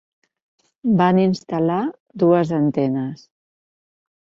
Van instal·lar dues antenes.